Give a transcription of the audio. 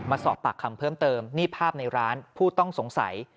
มาสอบปากคำเพิ่มเติมนี่ภาพในร้านผู้ต้องสงสัย